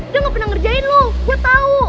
dia gak pernah ngerjain loh gue tau